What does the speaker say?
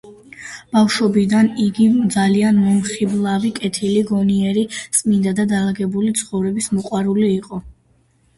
ბავშვობიდანვე იგი ძალიან მომხიბლავი, კეთილი, გონიერი, წმინდა და დალაგებული ცხოვრების მოყვარული იყო.